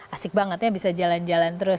asik banget ya bisa jalan jalan terus